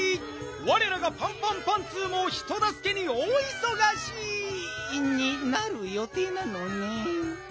われらがパンパンパンツーも人だすけに大いそがしになるよていなのねん。